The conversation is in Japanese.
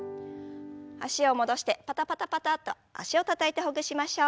脚を戻してパタパタパタッと脚をたたいてほぐしましょう。